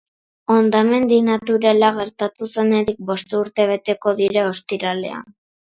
Hondamendi naturala gertatu zenetik bost urte beteko dira ostiralean.